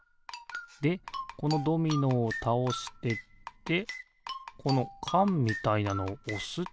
でこのドミノをたおしてってこのかんみたいなのをおすってことか。